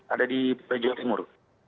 ada di jawa timur